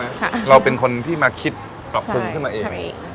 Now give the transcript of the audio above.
ค่ะเราเป็นคนที่มาคิดปลอบคุมขึ้นมาเองใช่ค่ะ